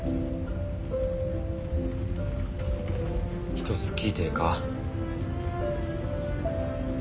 一つ聞いてええか？